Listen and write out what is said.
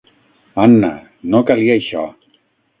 Anna, no calia això!